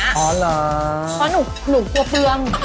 เพราะหนูกลัวพื้อง